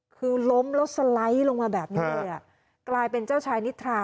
คือล้มแล้วสไลด์ลงมาแบบนี้เลยอ่ะกลายเป็นเจ้าชายนิทรา